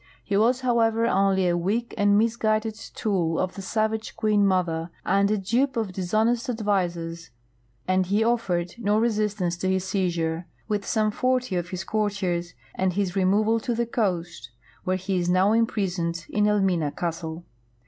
He was, however, only a weak and misguided tool of the savage Queen Mother and a dupe of dishonest advisers, and he offered no resistance to his seizure, with some forty of his courtiei's, and his removal to the coast, where he is now impris • THE GOLD COAST, ASHAXT], AND KUMASST 13 oned in Elmina castle.